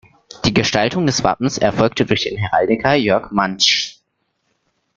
Die Gestaltung des Wappens erfolgte durch den Heraldiker Jörg Mantzsch.